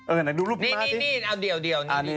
เออน่าดูรูปมาสิ